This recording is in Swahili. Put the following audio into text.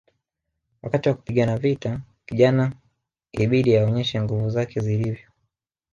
Wakati wa kupigana vita kijana ilibidi aonyeshe nguvu zake zilivyo